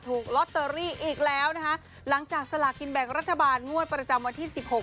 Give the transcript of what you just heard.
ถูกลอตเตอรี่อีกแล้วนะคะหลังจากสลากินแบ่งรัฐบาลงวดประจำวันที่สิบหก